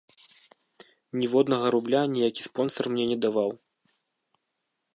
Ніводнага рубля ніякі спонсар мне не даваў.